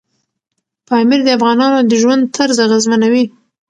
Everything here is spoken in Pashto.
پامیر د افغانانو د ژوند طرز اغېزمنوي.